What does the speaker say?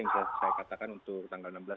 yang saya katakan untuk tanggal enam belas